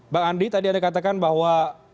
bang andi tadi anda katakan bahwa